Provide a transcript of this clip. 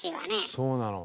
そうなの。